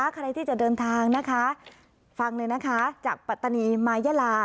ใครที่จะเดินทางนะคะฟังเลยนะคะจากปัตตานีมายาลา